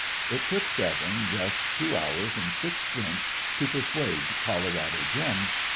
It took Severne just two hours and six drinks to persuade Colorado Jim.